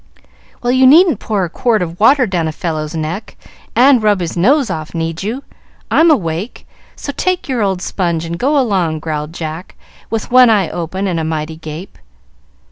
"Well, you needn't pour a quart of water down a fellow's neck, and rub his nose off, need you? I'm awake, so take your old sponge and go along," growled Jack, with one eye open and a mighty gape.